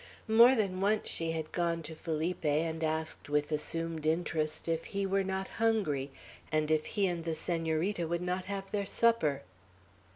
More than once she had gone to Felipe, and asked with assumed interest if he were not hungry, and if he and the Senorita would not have their supper.